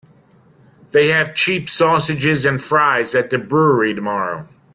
They have cheap sausages and fries at the brewery tomorrow.